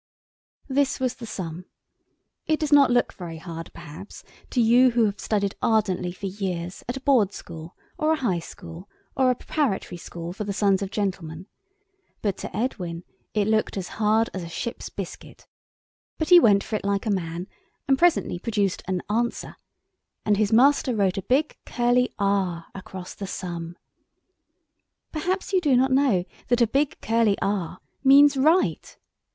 This was the sum. It does not look very hard, perhaps, to you who have studied ardently for years at a Board School, or a High School, or a Preparatory School for the sons of gentlemen; but to Edwin it looked as hard as a ship's biscuit. But he went for it like a man, and presently produced an Answer and his Master wrote a big curly R across the sum. Perhaps you do not know that a big curly R means Right?